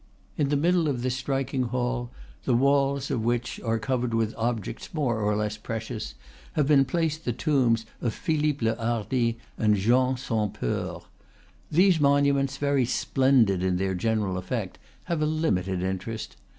In the middle of this striking hall, the walls of which. are covered with objects more or less precious, have been placed the tombs of Philippe le Hardi and Jean sans Peur. These monuments, very splendid in their general effect, have a limited interest.